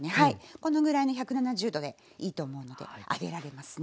このぐらいの１７０℃でいいと思うので揚げられますね。